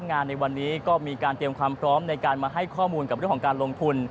งานในวันนี้ก็มีการเตรียมความพร้อมในการมาให้ข้อมูลกับเรื่องของการลงทุน